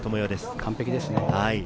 完璧ですね。